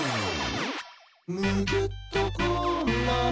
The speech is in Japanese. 「むぎゅっとこんなの」